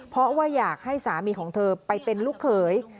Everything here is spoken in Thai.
เพราะว่าอยากให้สามีของเธอไปเป็นลูกเขย